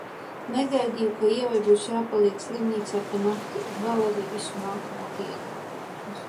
Negaidīju, ka Ievai būs jāpaliek slimnīcā pa nakti un vēl arī visu nākamo dienu.